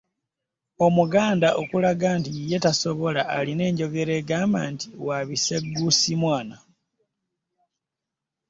Omuganda okulaga nti ye taboola alina enjogera egamba nti “Wabisegguusi mwana."